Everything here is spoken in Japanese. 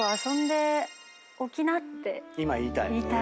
て言いたい。